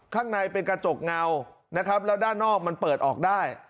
ข้างในเป็นกระจกเงานะครับแล้วด้านนอกมันเปิดออกได้